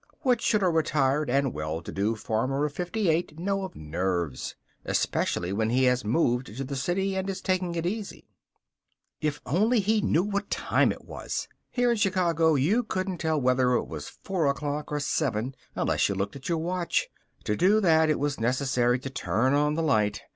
What should a retired and well to do farmer of fifty eight know of nerves, especially when he has moved to the city and is taking it easy? If only he knew what time it was. Here in Chicago you couldn't tell whether it was four o'clock or seven unless you looked at your watch. To do that it was necessary to turn on the light.